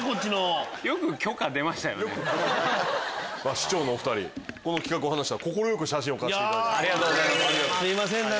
市長のお２人この企画を話したら快く写真を貸してくれました。